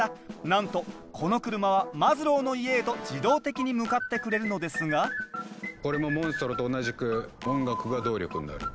なんとこの車はマズローの家へと自動的に向かってくれるのですがこれもモンストロと同じく音楽が動力になる。